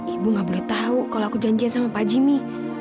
ibu gak boleh tahu kalau aku janjian sama pak jimmy